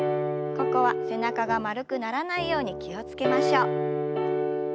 ここは背中が丸くならないように気を付けましょう。